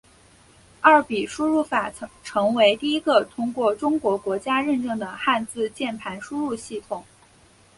二笔输入法成为第一个通过中国国家认证的汉字键盘输入系统。